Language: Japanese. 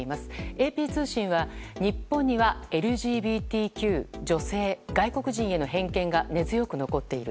ＡＰ通信は日本にはＬＧＢＴＱ、女性、外国人への偏見が根強く残っている。